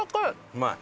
うまい？